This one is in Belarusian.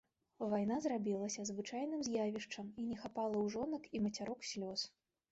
Вайна зрабілася звычайным з'явішчам, і не хапала ў жонак і мацярок слёз.